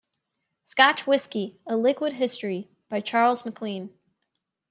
"Scotch Whisky: A Liquid History" by Charles MacLean.